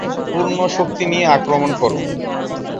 পূর্ণ শক্তি নিয়ে আক্রমণ করো!